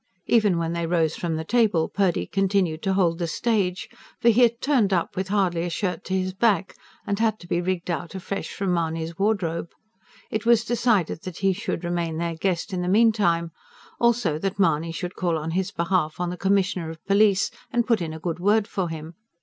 Even when they rose from the table Purdy continued to hold the stage. For he had turned up with hardly a shirt to his back, and had to be rigged out afresh from Mahony's wardrobe. It was decided that he should remain their guest in the meantime; also that Mahony should call on his behalf on the Commissioner of Police, and put in a good word for him.